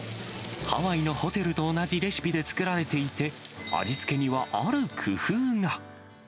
ハワイのホテルと同じレシピで作られていて、味付けにはある工夫が。